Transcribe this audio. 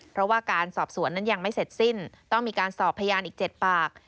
เพราะว่าการสอบสวนนั้นยังไม่เสร็จสิ้นต้องมีการสอบพยานอีก๗ปาก